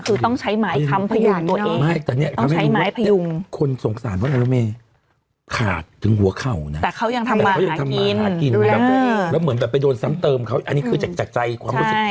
คือต้องใช้หมายคำผยมตัวเอง